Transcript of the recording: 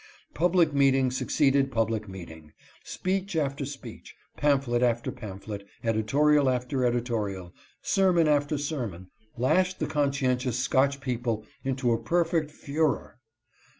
Public meeting succeeded public meeting, speech after speech, pamphlet after pamphlet, editorial after editorial, sermon after sermon ; lashed the conscientious Scotch people into a perfect furore.